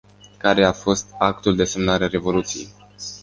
Care a fost actul de semnare a revoluției?